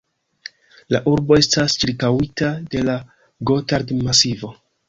La urbo estas ĉirkaŭita de la Gotard-Masivo.